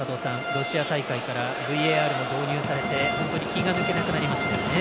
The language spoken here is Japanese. ロシア大会からＶＡＲも導入されて、本当に気が抜けなくなりましたよね。